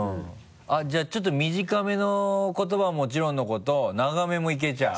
じゃあちょっと短めの言葉はもちろんのこと長めもいけちゃう？